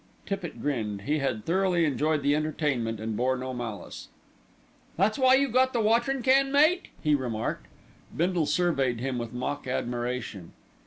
Tippitt grinned, he had thoroughly enjoyed the entertainment and bore no malice. "That's why you got the watering can, mate?" he remarked. Bindle surveyed him with mock admiration.